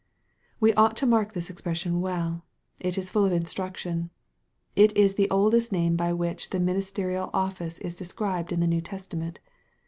We ought to mark this expression well. It is full of instruction. It is the oldest name by which the minis terial office is described in the New Testament.